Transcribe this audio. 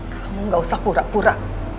kamu gak usah pura pura